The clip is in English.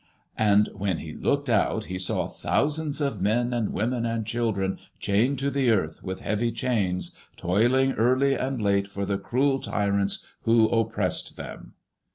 *^And when he looked out, he saw thousands of men and women and children chained to the earth with heavy chains, toiling early and late for the cruel tyrants who oppressed them."